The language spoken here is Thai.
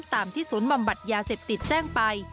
ตามที่ศูนย์บอมบัติยาเสพติดแจ้งไป